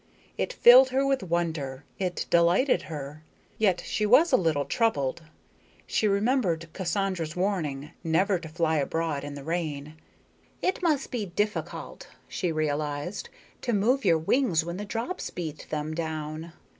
It filled her with wonder; it delighted her. Yet she was a little troubled. She remembered Cassandra's warning never to fly abroad in the rain. It must be difficult, she realized, to move your wings when the drops beat them down.